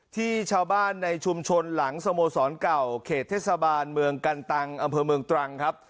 ที่ชาวบ้านในชุมชนหลังสโมสรเก่าเขตเทศบาลเมืองกันตังอำเภอเมืองตรังครับ